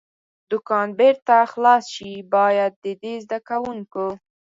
دوکان بېرته خلاص شي، باید د دې زده کوونکو.